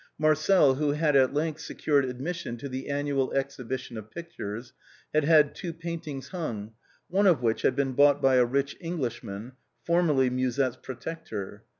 Marcel, who had at length secured admission to the annual exhibition of pictures, had had two paintings hung, one of which had been bought by a rich Englishman, formerly Musette's protector.